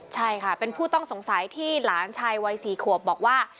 ใช่ค่ะเป็นผู้ต้องสงสัยที่หลานชายวัย๔ขวบบอกว่า